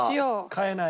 変えない。